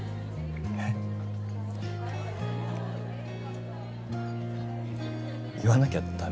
えっ？言わなきゃダメ？